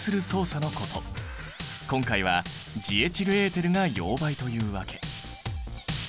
今回はジエチルエーテルが溶媒というわけ。